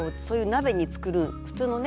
普通のね